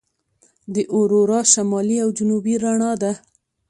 د اورورا شمالي او جنوبي رڼا ده.